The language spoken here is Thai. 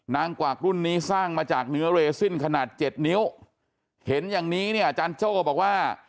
กวากรุ่นนี้สร้างมาจากเนื้อเรซินขนาดเจ็ดนิ้วเห็นอย่างนี้เนี่ยอาจารย์โจ้บอกว่า